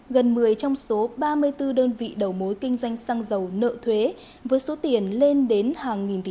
gần một mươi trong số ba mươi bốn đơn vị đầu mối kinh doanh xăng dầu nợ thuế với số tiền lên đến hàng nghìn tỷ